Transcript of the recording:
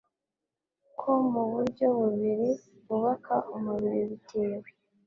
ko mu buryo bubiri: kubaka umubiri bitewe